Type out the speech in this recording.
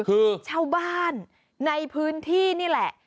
คือชาวบ้านในพื้นที่นี่แหละ